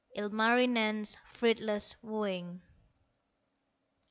ILMARINEN'S FRUITLESS WOOING.